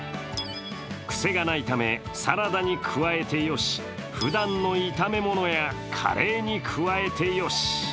くせがないため、サラダに加えてよし、ふだんの炒めものやカレーに加えてよし。